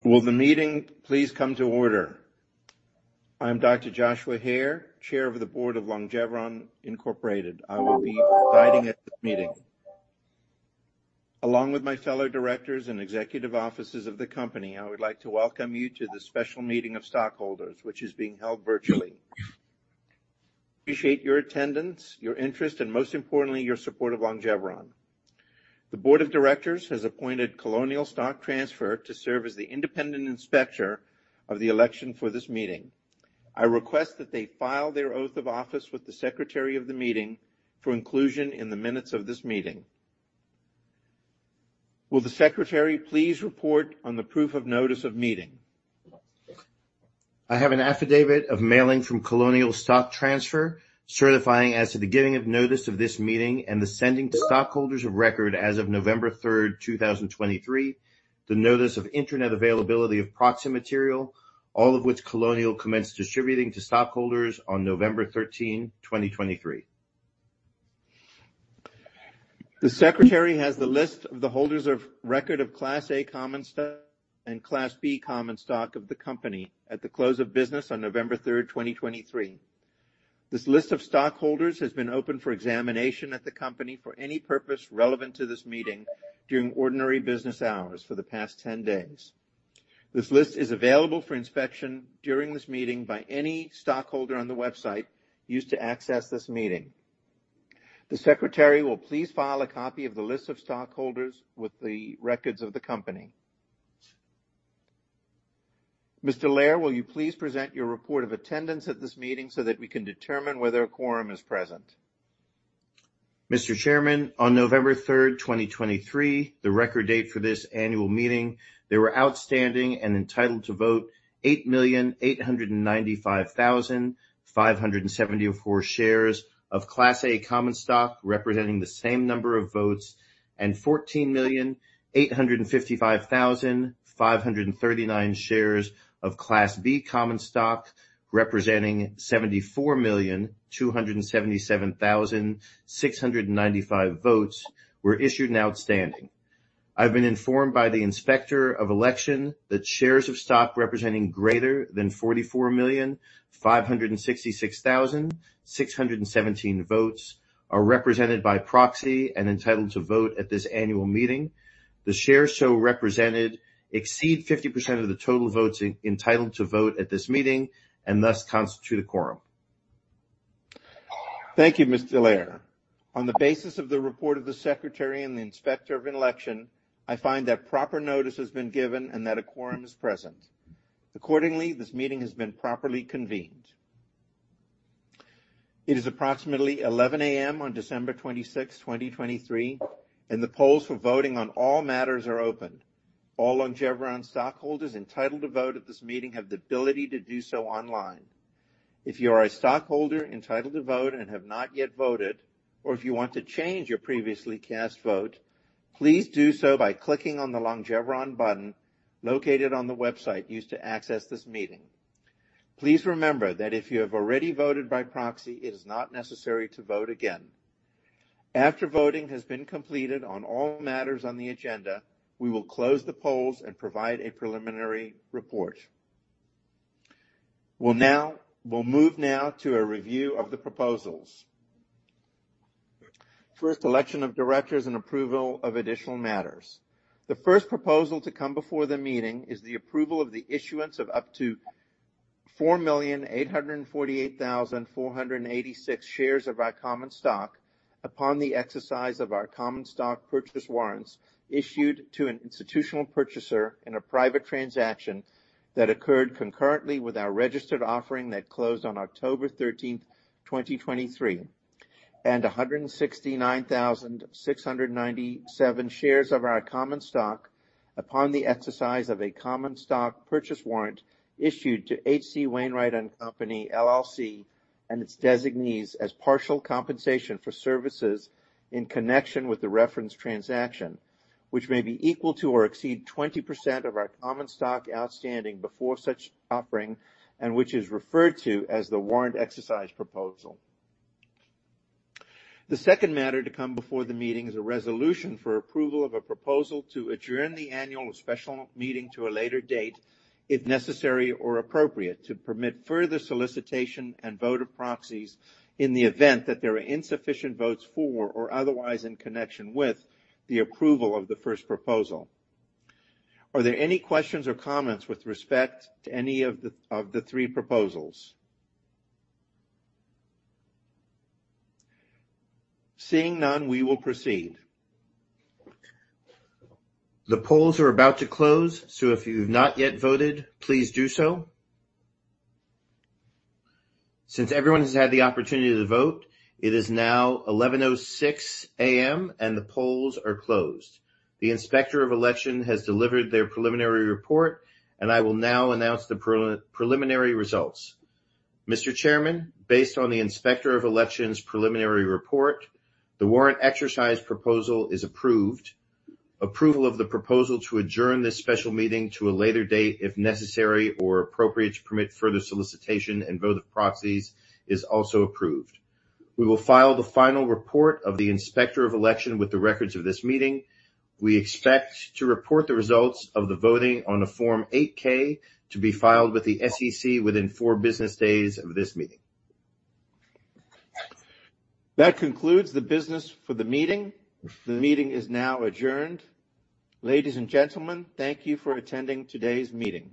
Will the meeting please come to order? I'm Dr. Joshua Hare, Chair of the Board of Longeveron, Incorporated. I will be presiding at this meeting. Along with my fellow directors and executive officers of the company, I would like to welcome you to this special meeting of stockholders, which is being held virtually. Appreciate your attendance, your interest, and most importantly, your support of Longeveron. The board of directors has appointed Colonial Stock Transfer to serve as the independent Inspector of Election for this meeting. I request that they file their oath of office with the secretary of the meeting for inclusion in the minutes of this meeting. Will the secretary please report on the proof of notice of meeting? I have an affidavit of mailing from Colonial Stock Transfer, certifying as to the giving of notice of this meeting and the sending to stockholders of record as of November 3, 2023, the notice of internet availability of proxy material, all of which Colonial commenced distributing to stockholders on November 13, 2023. The secretary has the list of the holders of record of Class A common stock and Class B common stock of the company at the close of business on November 3, 2023. This list of stockholders has been open for examination at the company for any purpose relevant to this meeting during ordinary business hours for the past 10 days. This list is available for inspection during this meeting by any stockholder on the website used to access this meeting. The secretary will please file a copy of the list of stockholders with the records of the company. Mr. Lehr, will you please present your report of attendance at this meeting so that we can determine whether a quorum is present? Mr. Chairman, on November 3rd, 2023, the record date for this annual meeting, there were outstanding and entitled to vote, 8,895,574 shares of Class A common stock, representing the same number of votes, and 14,855,539 shares of Class B common stock, representing 74,277,695 votes were issued and outstanding. I've been informed by the Inspector of Election that shares of stock representing greater than 44,566,617 votes are represented by proxy and entitled to vote at this annual meeting. The shares so represented exceed 50% of the total votes entitled to vote at this meeting and thus constitute a quorum. Thank you, Mr. Lehr. On the basis of the report of the Secretary and the Inspector of Election, I find that proper notice has been given and that a quorum is present. Accordingly, this meeting has been properly convened. It is approximately 11:00A.M. on December 26, 2023, and the polls for voting on all matters are open. All Longeveron stockholders entitled to vote at this meeting have the ability to do so online. If you are a stockholder entitled to vote and have not yet voted, or if you want to change your previously cast vote, please do so by clicking on the Longeveron button located on the website used to access this meeting. Please remember that if you have already voted by proxy, it is not necessary to vote again. After voting has been completed on all matters on the agenda, we will close the polls and provide a preliminary report. We'll now move to a review of the proposals. First, election of directors and approval of additional matters. The first proposal to come before the meeting is the approval of the issuance of up to 4,848,486 shares of our common stock upon the exercise of our common stock purchase warrants issued to an institutional purchaser in a private transaction that occurred concurrently with our registered offering that closed on October 13, 2023, and 169,697 shares of our common stock upon the exercise of a common stock purchase warrant issued to H.C. Wainwright & Co., LLC, and its designees, as partial compensation for services in connection with the reference transaction, which may be equal to or exceed 20% of our common stock outstanding before such offering, and which is referred to as the Warrant Exercise Proposal. The second matter to come before the meeting is a resolution for approval of a proposal to adjourn the annual or special meeting to a later date, if necessary or appropriate, to permit further solicitation and vote of proxies in the event that there are insufficient votes for or otherwise in connection with the approval of the first proposal. Are there any questions or comments with respect to any of the three proposals? Seeing none, we will proceed. The polls are about to close, so if you've not yet voted, please do so. Since everyone has had the opportunity to vote, it is now 11:06A.M., and the polls are closed. The Inspector of Election has delivered their preliminary report, and I will now announce the preliminary results. Mr. Chairman, based on the Inspector of Election's preliminary report, the Warrant Exercise Proposal is approved. Approval of the proposal to adjourn this special meeting to a later date, if necessary or appropriate, to permit further solicitation and vote of proxies, is also approved. We will file the final report of the Inspector of Election with the records of this meeting. We expect to report the results of the voting on a Form 8-K, to be filed with the SEC within four business days of this meeting. That concludes the business for the meeting. The meeting is now adjourned. Ladies and gentlemen, thank you for attending today's meeting.